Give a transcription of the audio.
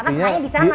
karena di sana ya